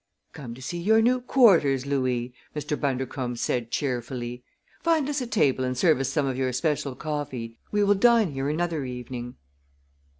"Come to see your new quarters, Louis!" Mr. Bundercombe said cheerfully. "Find us a table and serve us some of your special coffee. We will dine here another evening."